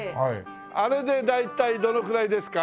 あれで大体どのくらいですか？